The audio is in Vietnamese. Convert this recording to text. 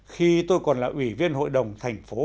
khi tôi còn là ủy viên hội đồng thành phố